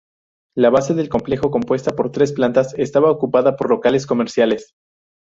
La base del complejo, compuesta por tres plantas, estaba ocupada por locales comerciales.